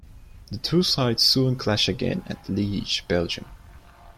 The two sides soon clash again at Liege, Belgium.